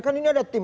kan ini ada tim